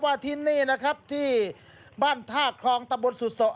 ที่นี่นะครับที่บ้านท่าคลองตะบนสุโส